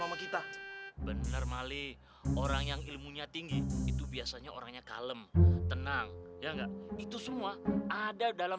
sama kita benar mali orang yang ilmunya tinggi itu biasanya orangnya kalem tenang itu semua ada dalam